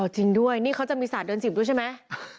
จริงด้วยนี่เขาจะมีศาสตร์เดือน๑๐ด้วยใช่ไหม